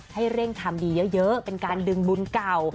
ให้เร่งทำดีเยอะเป็นการดึงบุญเก่า